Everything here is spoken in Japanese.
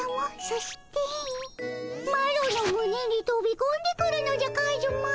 そしてマロのむねにとびこんでくるのじゃカズマ。